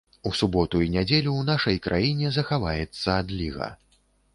У суботу і нядзелю ў нашай краіне захаваецца адліга.